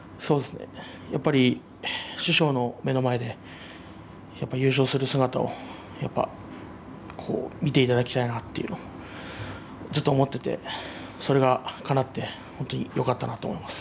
やっぱり師匠の目の前で優勝する姿を見ていただきたいなとずっとと思っていてそれが、かなって本当によかったなと思います。